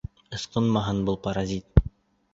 Ысҡынмаһын был паразит.